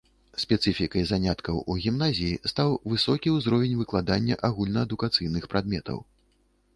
Спецыфікай заняткаў у гімназіі стаў высокі ўзровень выкладання агульнаадукацыйных прадметаў.